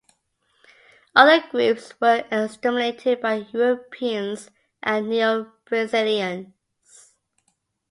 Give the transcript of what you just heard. Other groups were exterminated by Europeans or neo-Brazilians.